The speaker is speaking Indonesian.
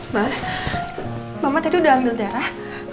mbak mama tadi udah ambil darah